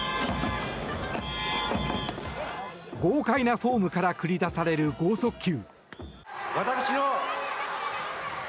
豪快なフォームから繰り出される豪速球。